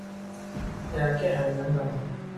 ยาแก้ไอน้ำดำ